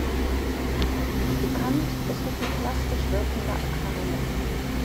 Bekannt ist er für plastisch wirkende Aquarelle.